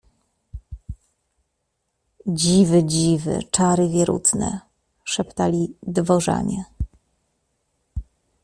Dziwy, dziwy, czary wierutne. — szeptali dworzanie.